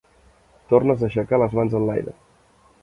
Tornes a aixecar les mans enlaire.